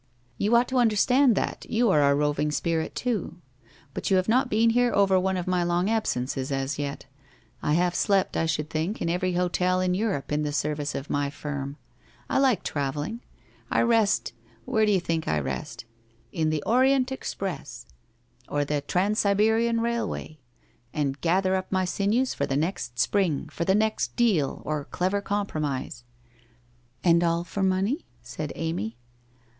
You ought to understand that, you are a roving spirit, too. But you have not been here over one of my long absences as yet. I have slept, I should think, in every hotel in Europe in the service of my firm. I like travelling. I rest — where do you think I rest?— in the Orient Express, or the Trans Siberian Railway, and gather up my sinews for the next spring, for the next deal, or clover compromise.' f And all for money ?' said Amy.